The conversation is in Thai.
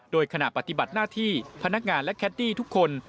โดยขณะปฏิบัติหน้าที่พนักงานและแคดดี้ทุกคน